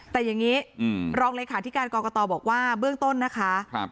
แต่อย่างนี้รองเลยค่ะที่การกอกกะตอบอกว่าเบื้องต้นนะคะ